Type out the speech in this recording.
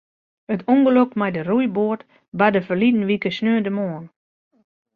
It ûngelok mei de roeiboat barde ferline wike sneontemoarn.